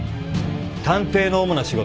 探偵の主な仕事。